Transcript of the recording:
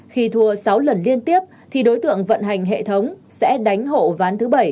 khi thua sáu lần liên tiếp thì đối tượng vận hành hệ thống sẽ đánh hộ ván thứ bảy